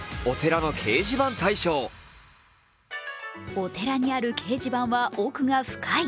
お寺にある掲示板は奥が深い。